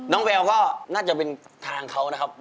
แววก็น่าจะเป็นทางเขานะครับ